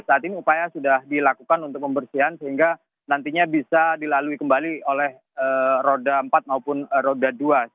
saat ini upaya sudah dilakukan untuk pembersihan sehingga nantinya bisa dilalui kembali oleh roda empat maupun roda dua